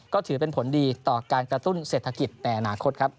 ก็ถือเป็นผลดีต่อการกระตุ้นเศรษฐกิจในอนาคตครับ